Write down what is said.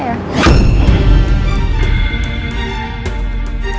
bukan begitu elsa